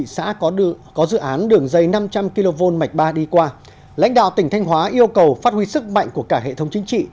dự án đường dây năm trăm linh kv mạch ba đi qua lãnh đạo tỉnh thanh hóa yêu cầu phát huy sức mạnh của cả hệ thống chính trị